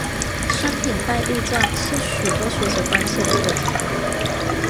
商品拜物教是许多学者关切的课题。